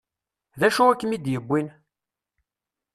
D acu i kem-id-yewwin?